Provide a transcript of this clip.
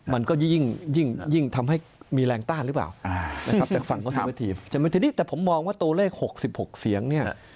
มันก็ยิ่งทำให้มีแรงต้านหรือเปล่าแต่ผมมองว่าตัวเลข๖๖เสียง